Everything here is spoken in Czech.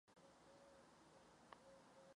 Jak úžasná věta by to byla, jen kdyby se dodržovala!